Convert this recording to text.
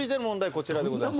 こちらでございます